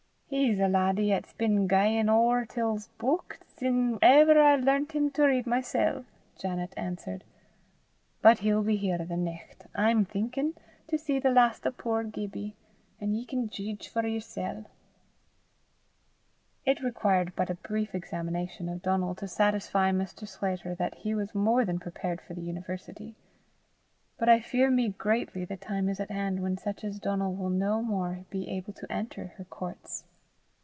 "He's a laddie 'at's been gi'en ower till 's buik sin ever I learnt him to read mysel'," Janet answered. "But he'll be here the nicht, I'm thinkin', to see the last o' puir Gibbie, an' ye can jeedge for yersel'." It required but a brief examination of Donal to satisfy Mr. Sclater that he was more than prepared for the university. But I fear me greatly the time is at hand when such as Donal will no more be able to enter her courts.